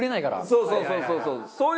そうそうそうそう。